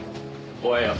おはよう。